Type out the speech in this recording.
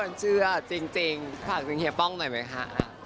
ไม่เชื่อจริงผลักชิงเฮียป้องหน่อยไหมคะ